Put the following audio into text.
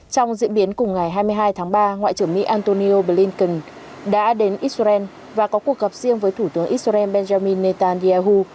trong diễn biến cùng ngày hai mươi hai tháng ba ngoại trưởng mỹ antonio blinken đã đến israel và có cuộc gặp riêng với thủ tướng israel benjamin netanyahu